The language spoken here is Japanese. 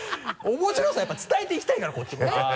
面白さやっぱり伝えていきたいからこっちもね。